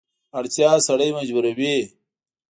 اړتیا سړی مجبوروي.